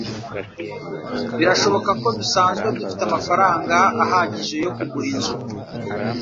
Birashoboka ko dusanzwe dufite amafaranga ahagije yo kugura inzu.